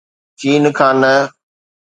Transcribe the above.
چين کان نه.